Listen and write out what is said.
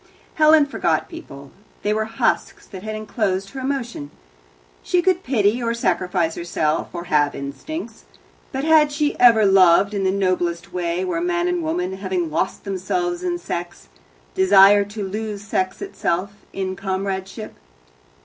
Helen forgot people. They were husks that had enclosed her emotion. She could pity, or sacrifice herself, or have instincts, but had she ever loved in the noblest way, where man and woman, having lost themselves in sex, desire to lose sex itself in comradeship?